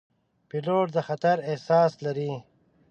پیلوټ د خطر احساس لري.